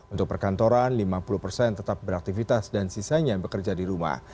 untuk perkantoran lima puluh persen tetap beraktivitas dan sisanya bekerja di rumah